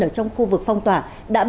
ở trong khu vực phong tỏa